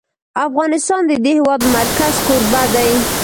افغانستان د د هېواد مرکز کوربه دی.